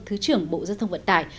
thư trưởng bộ giao thông vận tải